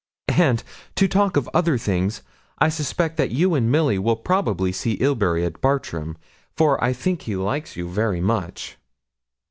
And, to talk of other things, I suspect that you and Milly will probably see Ilbury at Bartram; for I think he likes you very much.'